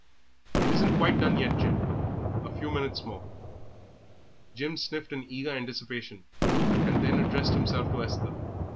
"It isn't quite done yet, Jim; a few minutes more " Jim sniffed in eager anticipation, and then addressed himself to Esther.